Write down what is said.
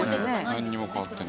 なんにも変わってない。